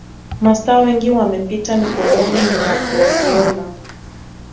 Mastaa wengi wamepita mikononi mwa Guardiola